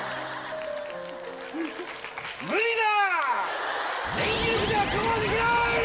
無理だ！